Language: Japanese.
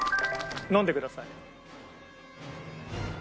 飲んでください。